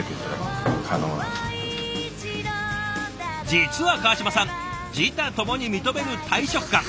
実は川島さん自他ともに認める大食漢。